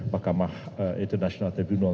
makamah international tribunal